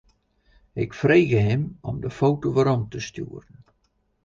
Ik frege him om de foto werom te stjoeren.